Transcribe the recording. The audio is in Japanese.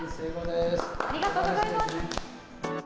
ありがとうございます。